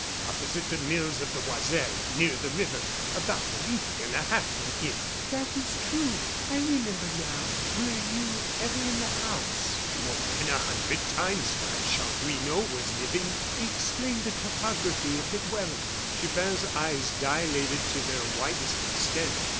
"Opposite the mills of the Oiselle, near the river, about a league and a half from here." "That is true. I remember now. Were you ever in the house?" "More than a hundred times while Chanlouineau was living." "Explain the topography of the dwelling!" Chupin's eyes dilated to their widest extent.